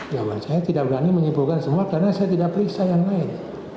jawaban saya tidak berani menyimpulkan semua karena saya tidak periksa yang lain